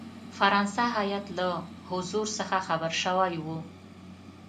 فرانسه هیات له حضور څخه خبر شوی وو.